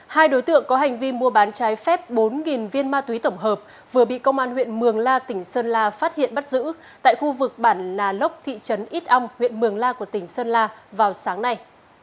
hai đối tượng có hành vi mua bán trái phép bốn viên ma túy tổng hợp vừa bị công an huyện mường la tỉnh sơn la phát hiện bắt giữ tại khu vực bản nà lốc thị trấn ít ong huyện mường la của tỉnh sơn la vào sáng nay